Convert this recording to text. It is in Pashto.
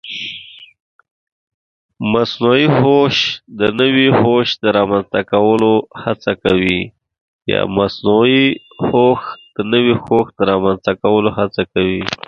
مصنوعي هوښ د نوي هوښ د رامنځته کولو هڅه کوي.